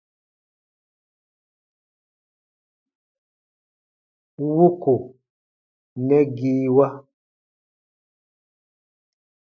Wuku nɛgiiwa.